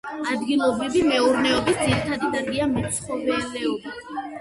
ადგილობრივი მეურნეობის ძირითადი დარგია მეცხოველეობა.